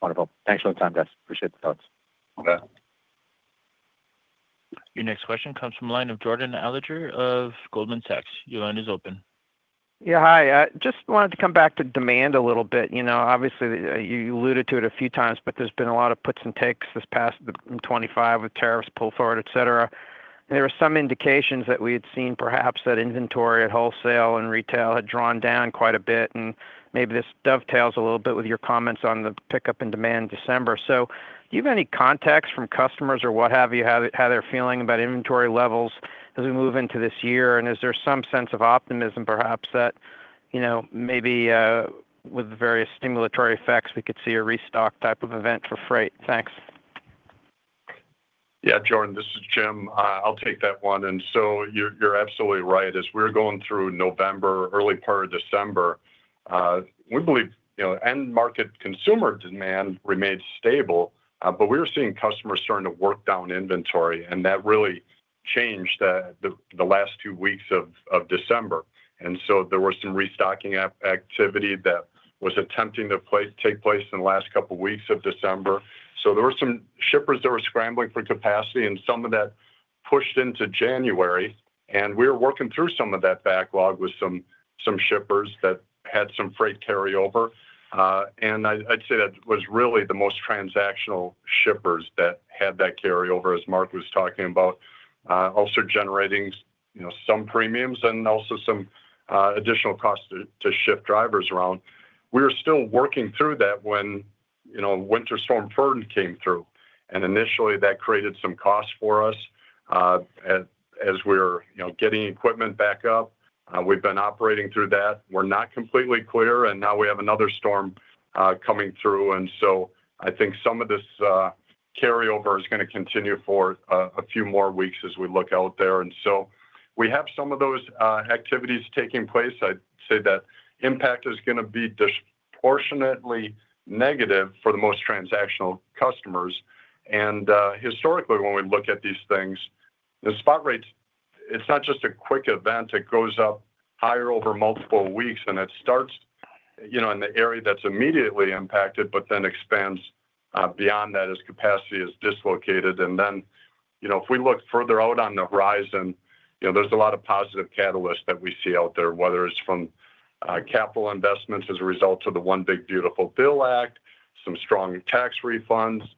Wonderful. Thanks for the time, guys. Appreciate the thoughts. Okay. Your next question comes from the line of Jordan Alliger of Goldman Sachs. Your line is open. Yeah, hi. Just wanted to come back to demand a little bit. Obviously, you alluded to it a few times, but there's been a lot of puts and takes this past 25 with tariffs pulled forward, etc. There were some indications that we had seen perhaps that inventory at wholesale and retail had drawn down quite a bit. And maybe this dovetails a little bit with your comments on the pickup and demand in December. So do you have any context from customers or what have you how they're feeling about inventory levels as we move into this year? And is there some sense of optimism perhaps that maybe with the various stimulatory effects, we could see a restock type of event for freight? Thanks. Yeah, Jordan, this is Jim. I'll take that one. And so you're absolutely right. As we're going through November, early part of December, we believe end market consumer demand remained stable, but we were seeing customers starting to work down inventory, and that really changed the last two weeks of December. And so there was some restocking activity that was attempting to take place in the last couple of weeks of December. So there were some shippers that were scrambling for capacity, and some of that pushed into January. And we were working through some of that backlog with some shippers that had some freight carryover. And I'd say that was really the most transactional shippers that had that carryover, as Mark was talking about, also generating some premiums and also some additional costs to shift drivers around. We were still working through that when Winter Storm Fern came through. Initially, that created some costs for us as we were getting equipment back up. We've been operating through that. We're not completely clear, and now we have another storm coming through. I think some of this carryover is going to continue for a few more weeks as we look out there. We have some of those activities taking place. I'd say that impact is going to be disproportionately negative for the most transactional customers. Historically, when we look at these things, the spot rates, it's not just a quick event. It goes up higher over multiple weeks, and it starts in the area that's immediately impacted, but then expands beyond that as capacity is dislocated. Then if we look further out on the horizon, there's a lot of positive catalysts that we see out there, whether it's from capital investments as a result of the One Big Beautiful Bill Act, some strong tax refunds,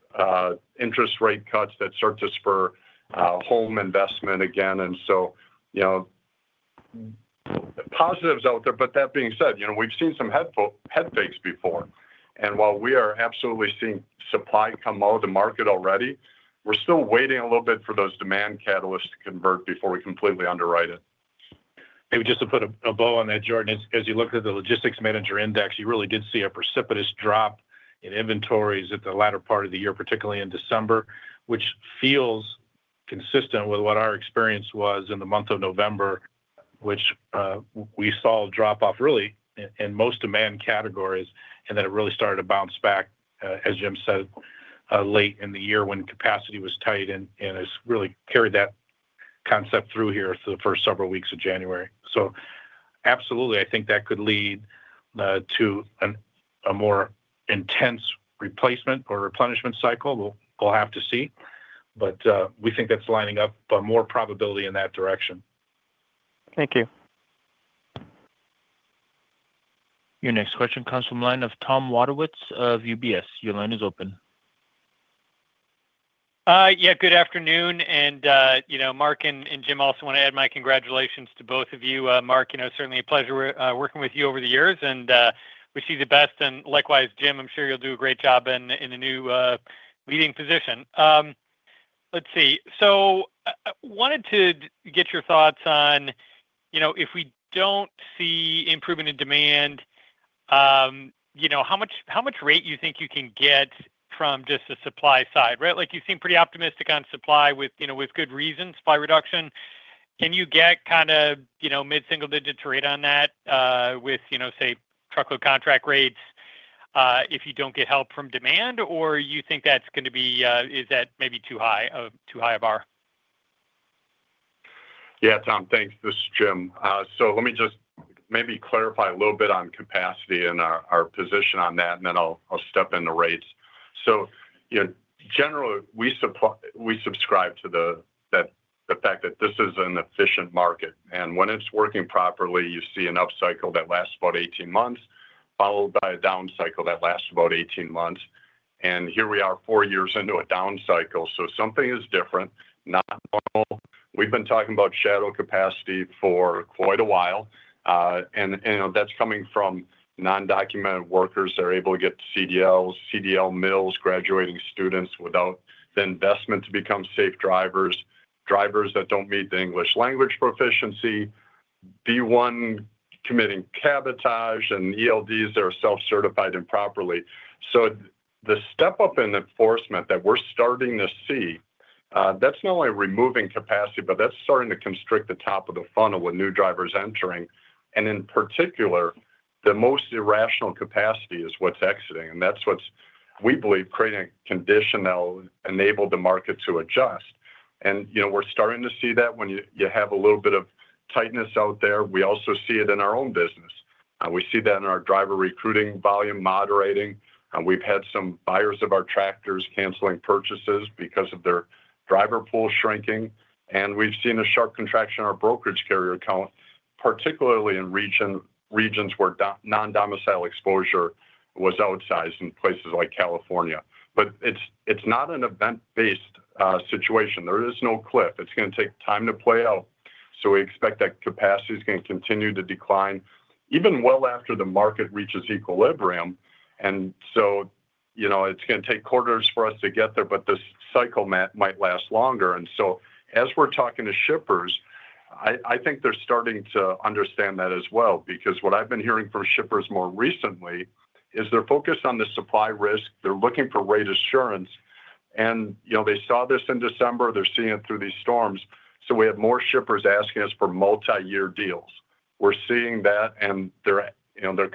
interest rate cuts that start to spur home investment again. So positives out there. But that being said, we've seen some head fakes before. While we are absolutely seeing supply come out of the market already, we're still waiting a little bit for those demand catalysts to convert before we completely underwrite it. Maybe just to put a bow on that, Jordan, as you looked at the Logistics Managers' Index, you really did see a precipitous drop in inventories at the latter part of the year, particularly in December, which feels consistent with what our experience was in the month of November, which we saw a drop-off really in most demand categories. And then it really started to bounce back, as Jim said, late in the year when capacity was tight, and it's really carried that concept through here for the first several weeks of January. So absolutely, I think that could lead to a more intense replacement or replenishment cycle. We'll have to see. But we think that's lining up more probability in that direction. Thank you. Your next question comes from the line of Tom Wadewitz of UBS. Your line is open. Yeah, good afternoon. Mark and Jim, I also want to add my congratulations to both of you. Mark, certainly a pleasure working with you over the years, and we wish you the best. Likewise, Jim, I'm sure you'll do a great job in the new leading position. Let's see. So I wanted to get your thoughts on if we don't see improvement in demand, how much rate you think you can get from just the supply side, right? You seem pretty optimistic on supply with good reasons by reduction. Can you get kind of mid-single digit rate on that with, say, truckload contract rates if you don't get help from demand, or you think that's going to be—is that maybe too high of a bar? Yeah, Tom, thanks. This is Jim. So let me just maybe clarify a little bit on capacity and our position on that, and then I'll step into rates. So generally, we subscribe to the fact that this is an efficient market. And when it's working properly, you see an upcycle that lasts about 18 months, followed by a downcycle that lasts about 18 months. And here we are four years into a downcycle. So something is different, not normal. We've been talking about shadow capacity for quite a while. And that's coming from non-documented workers that are able to get CDLs, CDL mills, graduating students without the investment to become safe drivers, drivers that don't meet the English language proficiency, B-1 committing cabotage, and ELDs that are self-certified improperly. So the step-up in enforcement that we're starting to see, that's not only removing capacity, but that's starting to constrict the top of the funnel with new drivers entering. In particular, the most irrational capacity is what's exiting. And that's what we believe creating a condition that'll enable the market to adjust. And we're starting to see that when you have a little bit of tightness out there. We also see it in our own business. We see that in our driver recruiting volume moderating. We've had some buyers of our tractors canceling purchases because of their driver pool shrinking. And we've seen a sharp contraction in our brokerage carrier account, particularly in regions where non-domicile exposure was outsized in places like California. But it's not an event-based situation. There is no cliff. It's going to take time to play out. So we expect that capacity is going to continue to decline even well after the market reaches equilibrium. It's going to take quarters for us to get there, but the cycle might last longer. As we're talking to shippers, I think they're starting to understand that as well because what I've been hearing from shippers more recently is they're focused on the supply risk. They're looking for rate assurance. They saw this in December. They're seeing it through these storms. We have more shippers asking us for multi-year deals. We're seeing that, and they're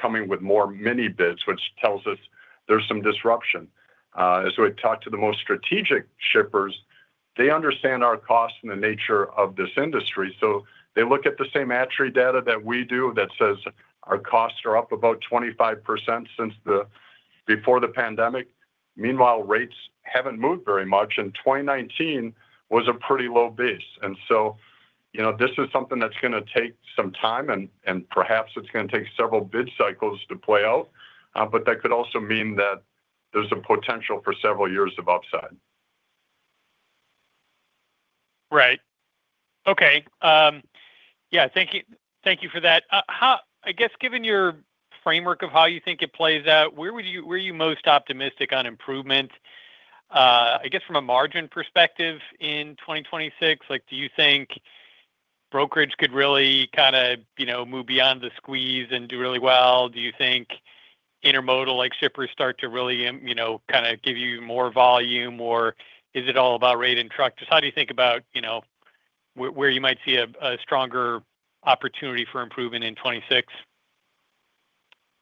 coming with more mini bids, which tells us there's some disruption. As we talk to the most strategic shippers, they understand our costs and the nature of this industry. So they look at the same ATRI data that we do that says our costs are up about 25% since before the pandemic. Meanwhile, rates haven't moved very much, and 2019 was a pretty low base. And so this is something that's going to take some time, and perhaps it's going to take several bid cycles to play out. But that could also mean that there's a potential for several years of upside. Right. Okay. Yeah. Thank you for that. I guess given your framework of how you think it plays out, where are you most optimistic on improvement? I guess from a margin perspective in 2026, do you think brokerage could really kind of move beyond the squeeze and do really well? Do you think intermodal shippers start to really kind of give you more volume, or is it all about rate and truck? Just how do you think about where you might see a stronger opportunity for improvement in 2026?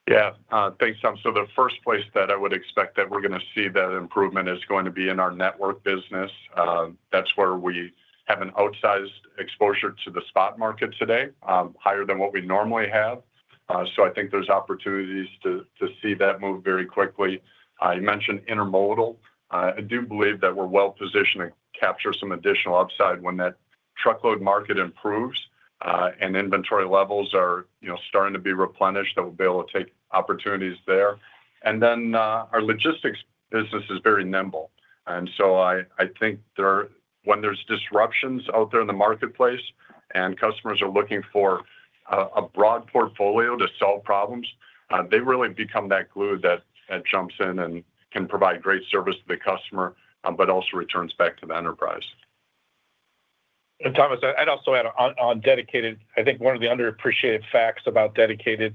Yeah. Thanks, Tom. So the first place that I would expect that we're going to see that improvement is going to be in our Network business. That's where we have an outsized exposure to the spot market today, higher than what we normally have. So I think there's opportunities to see that move very quickly. You mentioned Intermodal. I do believe that we're well-positioned to capture some additional upside when that truckload market improves and inventory levels are starting to be replenished that we'll be able to take opportunities there. And then our Logistics business is very nimble. And so I think when there's disruptions out there in the marketplace and customers are looking for a broad portfolio to solve problems, they really become that glue that jumps in and can provide great service to the customer, but also returns back to the enterprise. And Thomas, I'd also add on Dedicated. I think one of the underappreciated facts about Dedicated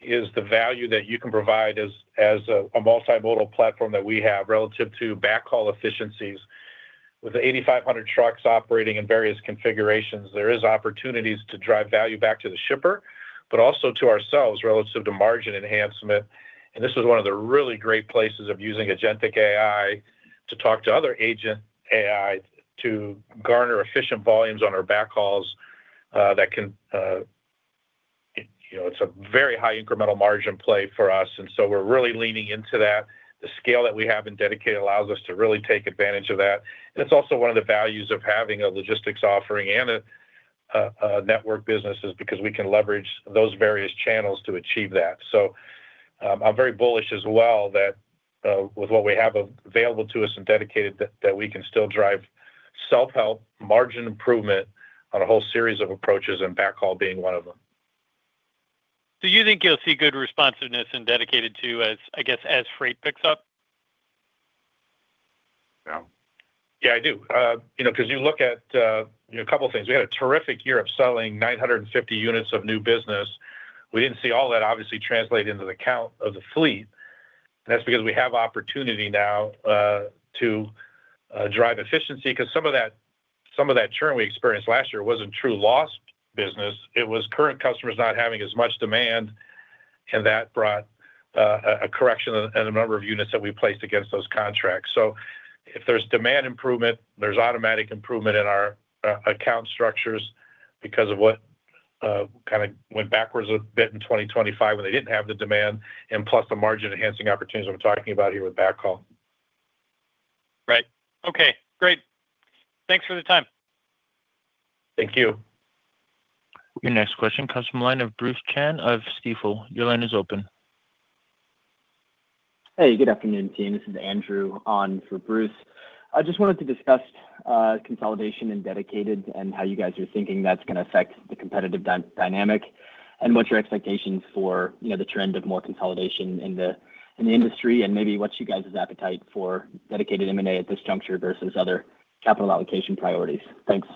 is the value that you can provide as a multimodal platform that we have relative to backhaul efficiencies. With the 8,500 trucks operating in various configurations, there are opportunities to drive value back to the shipper, but also to ourselves relative to margin enhancement. And this is one of the really great places of using agentic AI to talk to other agent AI to garner efficient volumes on our backhauls that can. It's a very high incremental margin play for us. And so we're really leaning into that. The scale that we have in Dedicated allows us to really take advantage of that. And it's also one of the values of having a Logistics offering and a Network business because we can leverage those various channels to achieve that. So I'm very bullish as well that with what we have available to us in Dedicated, that we can still drive self-help, margin improvement on a whole series of approaches, and backhaul being one of them. Do you think you'll see good responsiveness in Dedicated too, I guess, as freight picks up? Yeah. Yeah, I do. Because you look at a couple of things. We had a terrific year of selling 950 units of new business. We didn't see all that obviously translate into the count of the fleet. And that's because we have opportunity now to drive efficiency because some of that churn we experienced last year wasn't true loss business. It was current customers not having as much demand, and that brought a correction in the number of units that we placed against those contracts. So if there's demand improvement, there's automatic improvement in our account structures because of what kind of went backwards a bit in 2025 when they didn't have the demand, and plus the margin enhancing opportunities I'm talking about here with backhaul. Right. Okay. Great. Thanks for the time. Thank you. Your next question comes from the line of Bruce Chan of Stifel. Your line is open. Hey, good afternoon, team. This is Andrew on for Bruce. I just wanted to discuss consolidation and Dedicated and how you guys are thinking that's going to affect the competitive dynamic and what's your expectations for the trend of more consolidation in the industry and maybe what's you guys' appetite for Dedicated M&A at this juncture versus other capital allocation priorities. Thanks.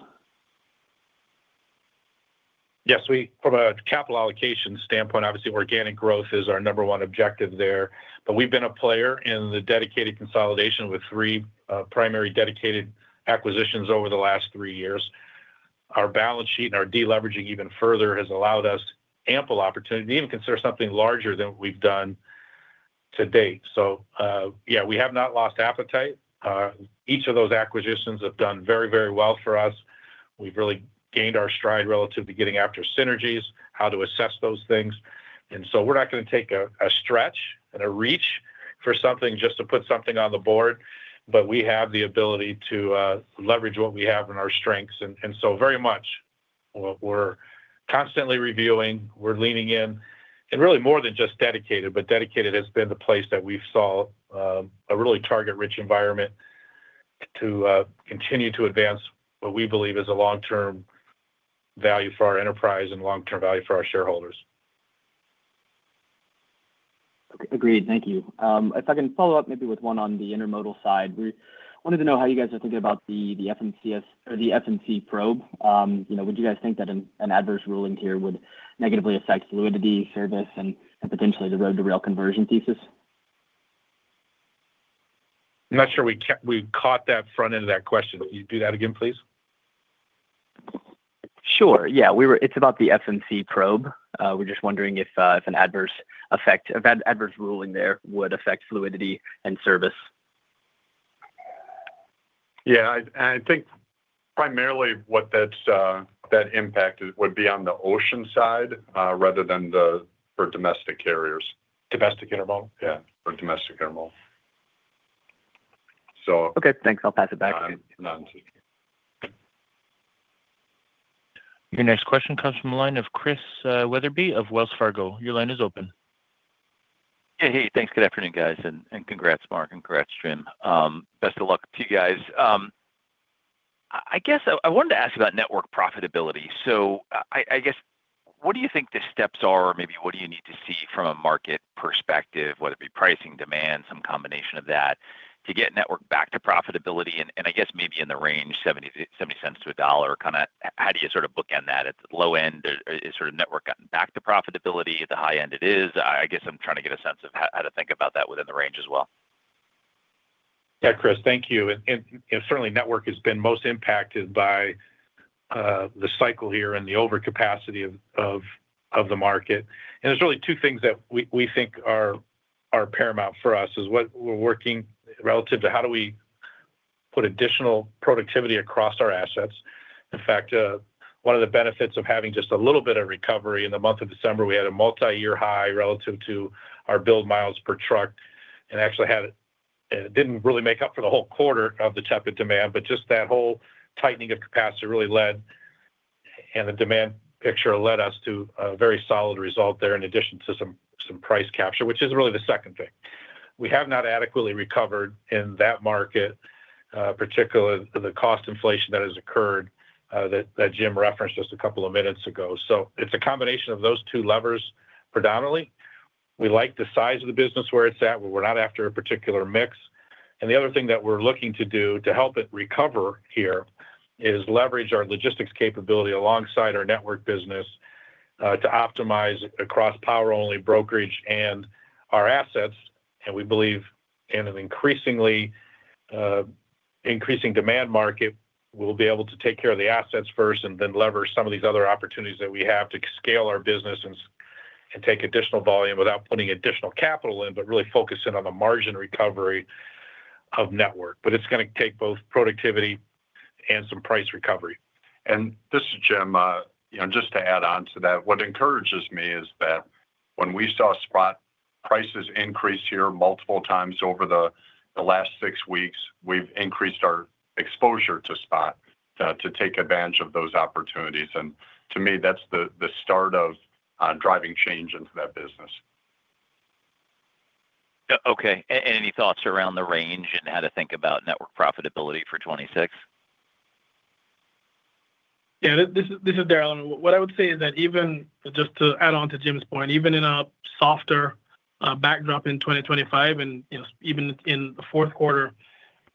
Yes. From a capital allocation standpoint, obviously, organic growth is our number 1 objective there. But we've been a player in the Dedicated consolidation with three primary Dedicated acquisitions over the last three years. Our balance sheet and our deleveraging even further has allowed us ample opportunity to even consider something larger than what we've done to date. So yeah, we have not lost appetite. Each of those acquisitions have done very, very well for us. We've really gained our stride relative to getting after synergies, how to assess those things. And so we're not going to take a stretch and a reach for something just to put something on the board, but we have the ability to leverage what we have in our strengths. And so very much, we're constantly reviewing. We're leaning in. Really more than just Dedicated, but Dedicated has been the place that we've saw a really target-rich environment to continue to advance what we believe is a long-term value for our enterprise and long-term value for our shareholders. Agreed. Thank you. If I can follow up maybe with one on the Intermodal side, we wanted to know how you guys are thinking about the FMC or the FMC probe. Would you guys think that an adverse ruling here would negatively affect fluidity, service, and potentially the road-to-rail conversion thesis? I'm not sure we caught that front end of that question. Can you do that again, please? Sure. Yeah. It's about the FMC probe. We're just wondering if an adverse effect of that adverse ruling there would affect fluidity and service. Yeah. I think primarily what that impact would be on the ocean side rather than for domestic carriers. Domestic intermodal. Yeah, for domestic Intermodal. So. Okay. Thanks. I'll pass it back to you. Nonsense. Your next question comes from the line of Chris Wetherbee of Wells Fargo. Your line is open. Yeah. Hey, thanks. Good afternoon, guys. And congrats, Mark. And congrats, Jim. Best of luck to you guys. I guess I wanted to ask about Network profitability. So I guess what do you think the steps are? Maybe what do you need to see from a market perspective, whether it be pricing, demand, some combination of that, to get Network back to profitability? And I guess maybe in the range, $0.70-$1.00, kind of how do you sort of bookend that? At the low end, is sort of Network back to profitability? At the high end, it is. I guess I'm trying to get a sense of how to think about that within the range as well. Yeah, Chris, thank you. And certainly, Network has been most impacted by the cycle here and the overcapacity of the market. And there's really two things that we think are paramount for us is what we're working relative to how do we put additional productivity across our assets. In fact, one of the benefits of having just a little bit of recovery in the month of December, we had a multi-year high relative to our build miles per truck and actually didn't really make up for the whole quarter of the tepid demand. But just that whole tightening of capacity really led, and the demand picture led us to a very solid result there in addition to some price capture, which is really the second thing. We have not adequately recovered in that market, particularly the cost inflation that has occurred that Jim referenced just a couple of minutes ago. So it's a combination of those two levers predominantly. We like the size of the business where it's at. We're not after a particular mix. And the other thing that we're looking to do to help it recover here is leverage our Logistics capability alongside our Network business to optimize across power-only brokerage and our assets. And we believe in an increasingly increasing demand market, we'll be able to take care of the assets first and then lever some of these other opportunities that we have to scale our business and take additional volume without putting additional capital in, but really focus in on the margin recovery of Network. But it's going to take both productivity and some price recovery. This is Jim. Just to add on to that, what encourages me is that when we saw spot prices increase here multiple times over the last six weeks, we've increased our exposure to spot to take advantage of those opportunities. To me, that's the start of driving change into that business. Okay. And any thoughts around the range and how to think about Network profitability for 2026? Yeah. This is Darrell. And what I would say is that even just to add on to Jim's point, even in a softer backdrop in 2025 and even in the fourth quarter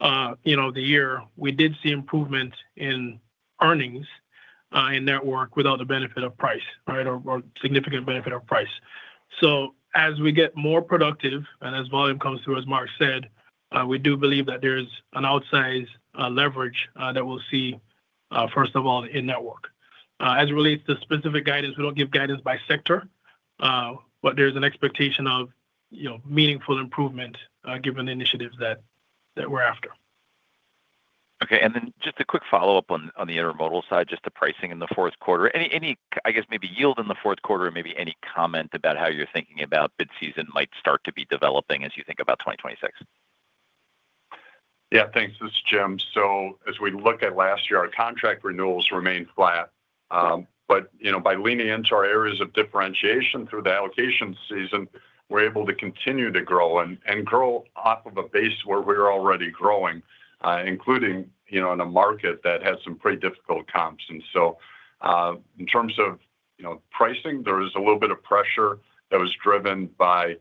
of the year, we did see improvements in earnings in Network without the benefit of price, right, or significant benefit of price. So as we get more productive and as volume comes through, as Mark said, we do believe that there's an outsized leverage that we'll see, first of all, in Network. As it relates to specific guidance, we don't give guidance by sector, but there's an expectation of meaningful improvement given the initiatives that we're after. Okay. Just a quick follow-up on the Intermodal side, just the pricing in the fourth quarter. I guess maybe yield in the fourth quarter and maybe any comment about how you're thinking about bid season might start to be developing as you think about 2026? Yeah. Thanks. This is Jim. So as we look at last year, our contract renewals remained flat. But by leaning into our areas of differentiation through the allocation season, we're able to continue to grow and grow off of a base where we're already growing, including in a market that has some pretty difficult comps. And so in terms of pricing, there was a little bit of pressure that was driven by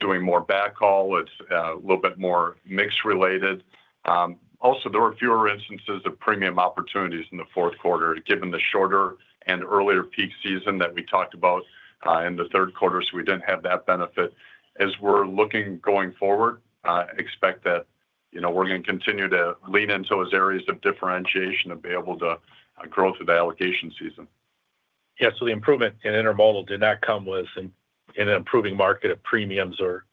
doing more backhaul. It's a little bit more mix-related. Also, there were fewer instances of premium opportunities in the fourth quarter given the shorter and earlier peak season that we talked about in the third quarter, so we didn't have that benefit. As we're looking going forward, I expect that we're going to continue to lean into those areas of differentiation and be able to grow through the allocation season. Yeah. So the improvement in Intermodal did not come with an improving market of premiums or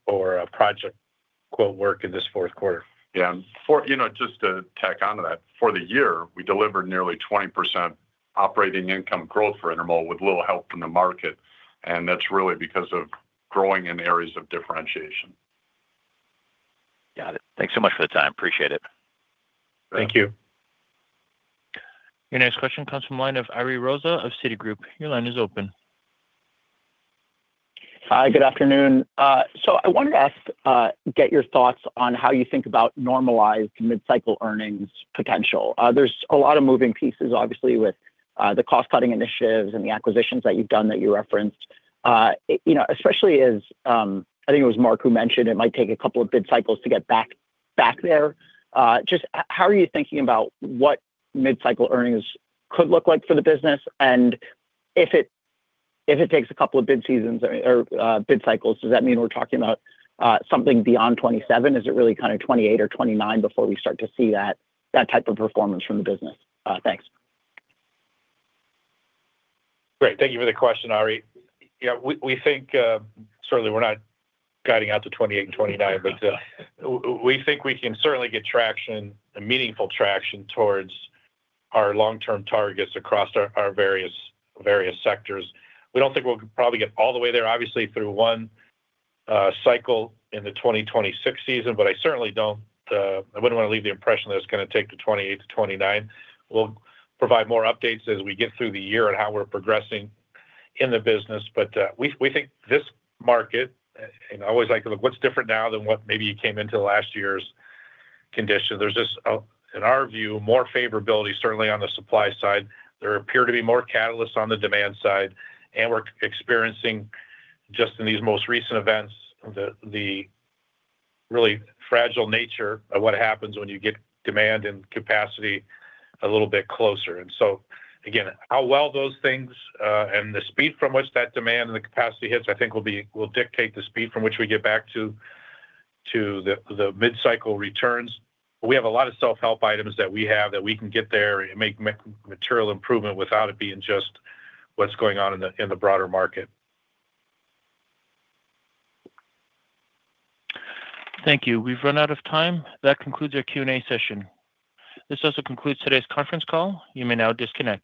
project quote work in this fourth quarter. Yeah. Just to tack on to that, for the year, we delivered nearly 20% operating income growth for Intermodal with little help from the market. That's really because of growing in areas of differentiation. Got it. Thanks so much for the time. Appreciate it. Thank you. Your next question comes from the line of Ari Rosa of Citi. Your line is open. Hi. Good afternoon. I wanted to get your thoughts on how you think about normalized mid-cycle earnings potential. There's a lot of moving pieces, obviously, with the cost-cutting initiatives and the acquisitions that you've done that you referenced, especially as I think it was Mark who mentioned it might take a couple of bid cycles to get back there. Just how are you thinking about what mid-cycle earnings could look like for the business? And if it takes a couple of bid seasons or bid cycles, does that mean we're talking about something beyond 2027? Is it really kind of 2028 or 2029 before we start to see that type of performance from the business? Thanks. Great. Thank you for the question, Ari. Yeah. Certainly, we're not guiding out to 2028 and 2029, but we think we can certainly get traction, meaningful traction towards our long-term targets across our various sectors. We don't think we'll probably get all the way there, obviously, through one cycle in the 2026 season, but I certainly don't, I wouldn't want to leave the impression that it's going to take to 2028 to 2029. We'll provide more updates as we get through the year on how we're progressing in the business. But we think this market, and I always like to look at what's different now than what maybe you came into last year's condition. There's just, in our view, more favorability, certainly on the supply side. There appear to be more catalysts on the demand side. And we're experiencing, just in these most recent events, the really fragile nature of what happens when you get demand and capacity a little bit closer. And so, again, how well those things and the speed from which that demand and the capacity hits, I think, will dictate the speed from which we get back to the mid-cycle returns. We have a lot of self-help items that we have that we can get there and make material improvement without it being just what's going on in the broader market. Thank you. We've run out of time. That concludes our Q&A session. This also concludes today's conference call. You may now disconnect.